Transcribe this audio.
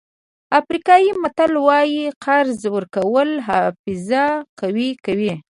افریقایي متل وایي قرض ورکول حافظه قوي کوي.